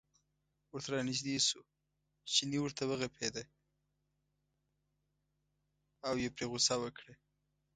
ورته را نژدې شو، چیني ورته و غپېده او یې پرې غوسه وکړه.